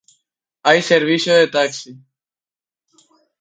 Hay servicio de taxi.